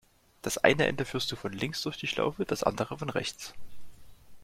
Das eine Ende führst du von links durch die Schlaufe, das andere von rechts.